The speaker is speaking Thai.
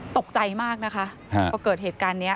ตกใจมากนะคะพอเกิดเหตุการณ์นี้